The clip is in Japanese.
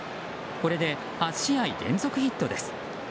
これで８試合連続ヒットです。